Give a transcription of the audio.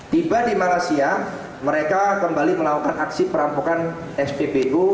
tiba di malaysia mereka kembali melakukan aksi perampokan spbu